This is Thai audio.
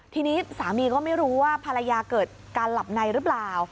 ทีนี้สามีก็ไม่รู้ว่าภรรยาเกิดการหลับในหรือเปล่า